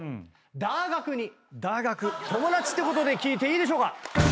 だーがくに友達ってことで聞いていいでしょうか